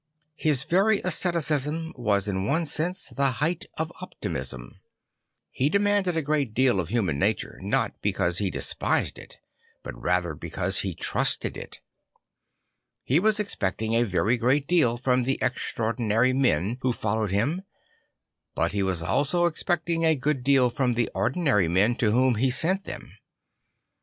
His very asceticism was in one sense the height of optimism. He demanded a great deal of human nature not because he despised it but rather because he trusted it. He was expecting a very great deal from the extraordinary men who followed him; but he was also expecting a good deal from the ordinary men to whom he sent them.